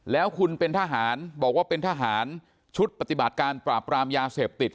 แล้วคุณเป็นทหารบอกว่าเป็นทหารชุดปฏิบัติการปราบรามยาเสพติด